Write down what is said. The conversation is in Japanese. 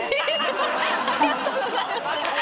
ありがとうございます